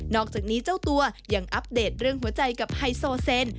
อกจากนี้เจ้าตัวยังอัปเดตเรื่องหัวใจกับไฮโซเซน